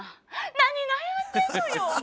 「何悩んでんのよ。